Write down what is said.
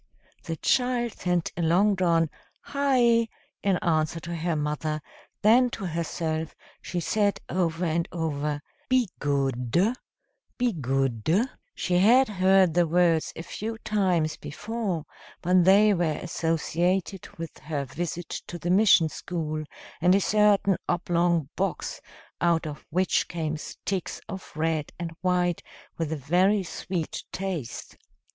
The child sent a long drawn "Hei" in answer to her mother, then to herself she said over and over: "Be goodu be goodu." She had heard the words a few times before, but they were associated with her visits to the mission school and a certain oblong box out of which came sticks of red and white with a very sweet taste.